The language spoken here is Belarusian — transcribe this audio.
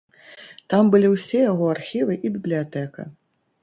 Там былі ўсе яго архівы і бібліятэка.